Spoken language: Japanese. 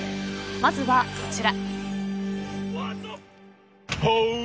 まずはこちら。